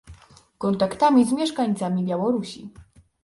kontaktami z mieszkańcami Białorusi